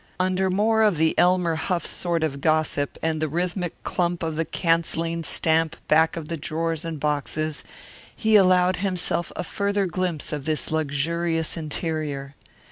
Under more of the Elmer Huff sort of gossip, and the rhythmic clump of the cancelling stamp back of the drawers and boxes, he allowed himself a further glimpse of this luxurious interior.